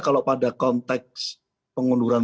kalau pada konteks pengunduran